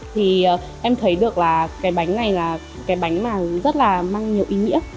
thì em thấy được là cái bánh này là cái bánh mà rất là mang nhiều ý nghĩa